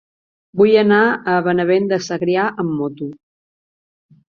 Vull anar a Benavent de Segrià amb moto.